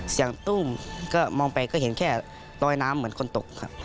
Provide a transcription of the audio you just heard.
ตู้มก็มองไปก็เห็นแค่ลอยน้ำเหมือนคนตกครับ